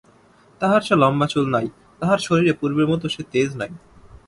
তাহার সে লম্বা চুল নাই, তাহার শরীরে পূর্বের মতো সে তেজ নাই।